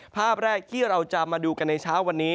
ภาพแรกที่เราจะมาดูกันในเช้าวันนี้